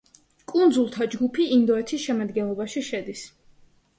კუნძულთა ჯგუფი ინდოეთის შემადგენლობაში შედის.